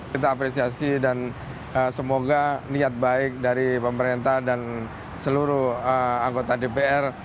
kita apresiasi dan semoga niat baik dari pemerintah dan seluruh anggota dpr